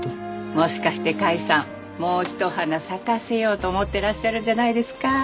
もしかして甲斐さんもうひと花咲かせようと思ってらっしゃるんじゃないですか？